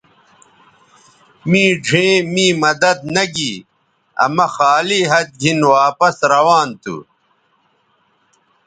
می ڙھیئں می مدد نہ گی آ مہ خالی ھَت گِھن واپس روان تھو